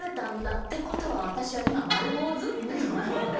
って事は私は今丸坊主？って思って。